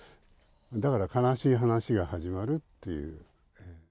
だから悲しい話が始まるっていう。